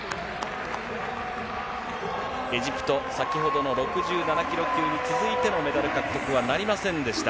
エジプト、先ほどの６７キロ級に続いてのメダル獲得はなりませんでした。